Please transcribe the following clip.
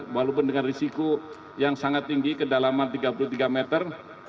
walaupun dengan risiko yang sangat tinggi kedalaman tiga puluh tiga meter